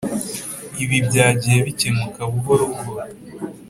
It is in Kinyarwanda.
Ibi byagiyebikemuka buhoro buhoro.